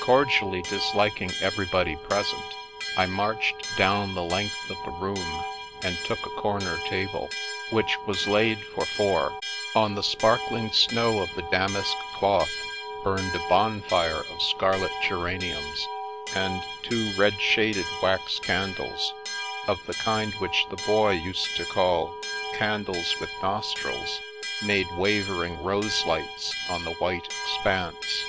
Cordially disliking everybody present, I marched down the length of the room, and took a comer table, which was laid for four. On the sparkling snow of the damask cloth burned a bonfire of scarlet geraniums, and two red shaded wax candles^ of the kind which the Boy used to call " candles with nostrils," made wavering rose lights on the white expanse.